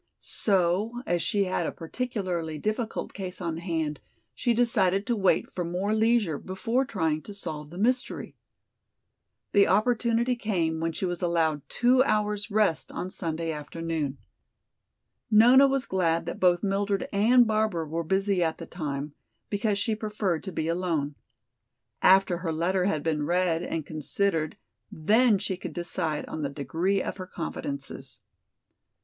So as she had a particularly difficult case on hand she decided to wait for more leisure before trying to solve the mystery. The opportunity came when she was allowed two hours rest on Sunday afternoon. Nona was glad that both Mildred and Barbara were busy at the time, because she preferred to be alone. After her letter had been read and considered then she could decide on the degree of her confidences.